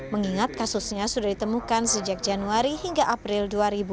mengingat kasusnya sudah ditemukan sejak januari hingga april dua ribu dua puluh